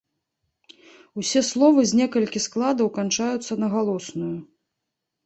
Усе словы з некалькі складаў канчаюцца на галосную.